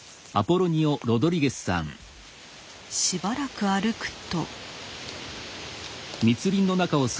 しばらく歩くと。